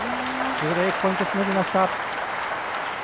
ブレークポイントしのぎました。